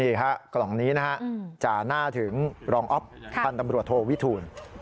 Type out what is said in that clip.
ฮะกล่องนี้นะฮะจ่าหน้าถึงรองอ๊อฟพันธ์ตำรวจโทวิทูล